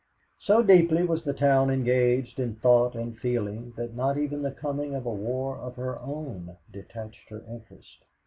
So deeply was the town engaged in thought and feeling that not even the coming of a war of her own detached her interest.